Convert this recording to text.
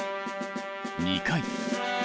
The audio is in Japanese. ２回。